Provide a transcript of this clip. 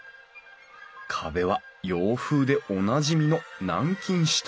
壁は洋風でおなじみの南京下